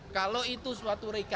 kalau itu suatu kecelakaan